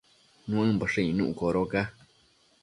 Nuëmboshë icnuc codoca